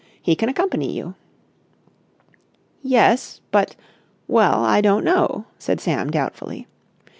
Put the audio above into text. He can accompany you." "Yes, but ... well, I don't know," said Sam doubtfully.